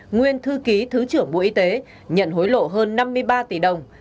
nguyên thư ký thứ trưởng bộ y tế nhận hối lộ hơn năm mươi ba tỷ đồng